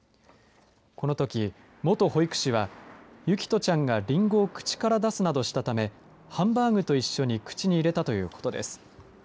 このとき、元保育士は進人ちゃんが、りんごを口から出すなどしたためハンバーグと一緒に口に入れたということです。